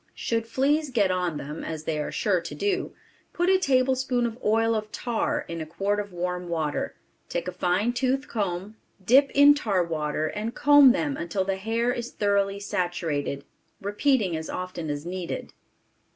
Should fleas get on them as they are sure to do, put a tablespoonful of oil of tar in a quart of warm water, take a fine tooth comb, dip in tar water, and comb them until the hair is thoroughly saturated; repeating as often as needed.